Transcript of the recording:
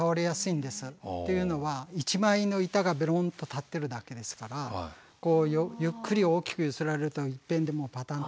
っていうのは一枚の板がベロンと立ってるだけですからこうゆっくり大きく揺すられるといっぺんでもうパタンと。